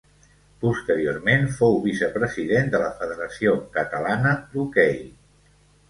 Posteriorment fou vicepresident de la Federació Catalana d'Hoquei.